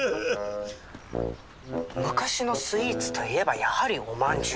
昔のスイーツといえばやはりお饅頭。